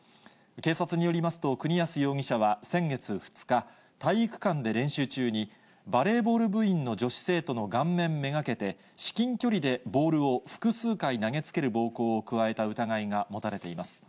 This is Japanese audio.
警察によりますと、国安容疑者は先月２日、体育館で練習中に、バレーボール部員の女子生徒の顔面目がけて、至近距離でボールを複数回投げつける暴行を加えた疑いが持たれています。